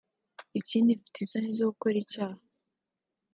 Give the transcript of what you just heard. ikindi mfite isoni zo gukora icyaha